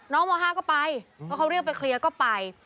ม๕ก็ไปเพราะเขาเรียกไปเคลียร์ก็ไป